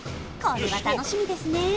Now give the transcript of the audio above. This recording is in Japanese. これは楽しみですね